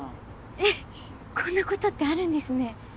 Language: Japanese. えっこんなことってあるんですね。